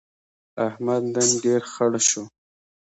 احمد نن ډېر خړ شو.